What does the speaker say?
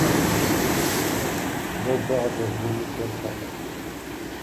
Нобэ къэкӀуэжынуми тщӀэртэкъым.